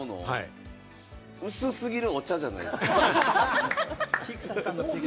薄すぎるお茶じゃないですか？